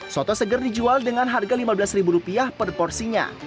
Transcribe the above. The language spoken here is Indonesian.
soto seger dijual dengan harga lima belas rupiah per porsinya